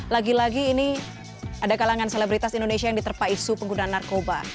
lagi lagi ini ada kalangan selebritas indonesia yang diterpa isu penggunaan narkoba